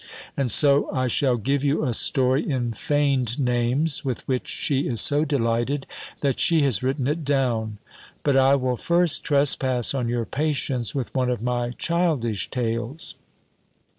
And so I shall give you a story in feigned names, with which she is so delighted, that she has written it down. But I will first trespass on your patience with one of my childish tales.